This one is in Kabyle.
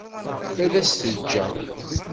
Ad s-t-ǧǧeɣ.